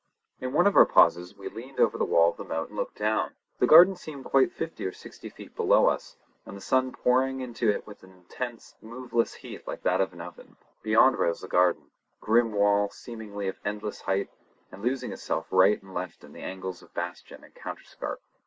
In one of our pauses we leaned over the wall of the moat and looked down. The garden seemed quite fifty or sixty feet below us, and the sun pouring into it with an intense, moveless heat like that of an oven. Beyond rose the grey, grim wall seemingly of endless height, and losing itself right and left in the angles of bastion and counterscarp.